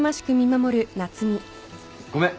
ごめん。